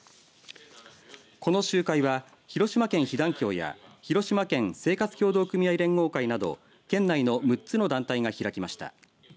この集会は広島県被団協や広島県生活協同組合連合会など県内の６つの団体が開きました。